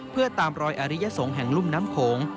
เพื่อตามรอยอริยสงฆ์แห่งรุ่มน้ำโขง